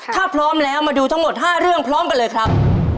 ถ้าพร้อมแล้วมาดูทั้งหมด๕เรื่องพร้อมกันเลยครับ